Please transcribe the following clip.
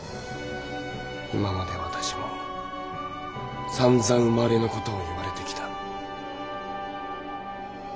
今まで私もさんざん生まれの事を言われてきた。